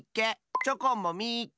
チョコンもみっけ！